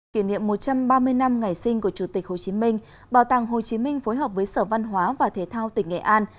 kỷ niệm một trăm ba mươi năm ngày sinh của chủ tịch hồ chí minh bảo tàng hồ chí minh phối hợp với sở văn hóa và thể thao tỉnh nghệ an